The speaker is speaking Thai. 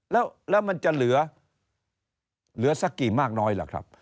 แล้วมันจะเหลือสักกี่มากน้อยล่ะครับ